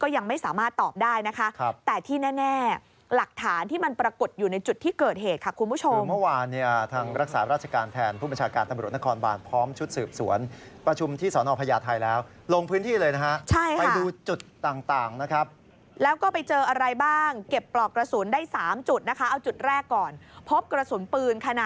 ยังไม่สามารถตอบได้นะคะครับแต่ที่แน่หลักฐานที่มันประกุฎอยู่ในจุดที่เกิดเหตุค่ะคุณผู้ชมคือเมื่อวานเนี้ยอ่ะทางรักษาราชการแทนผู้บัญชาการตำรวจนครบานพร้อมชุดสืบสวนประชุมที่สอนท์ออกพญาณไทยแล้วลงพื้นที่เลยนะฮะใช่ค่ะไปดูจุดต่างต่างนะครับแล้วก็ไปเจออะไรบ้างเก็บปลอกกระสุน